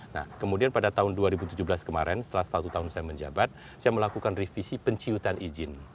nah kemudian pada tahun dua ribu tujuh belas kemarin setelah satu tahun saya menjabat saya melakukan revisi penciutan izin